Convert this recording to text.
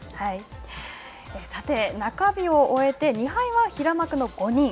中日を終えて２敗は、平幕の５人。